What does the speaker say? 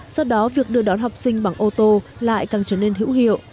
do đó việc đưa đón học sinh bằng ô tô lại càng trở nên hữu hiệu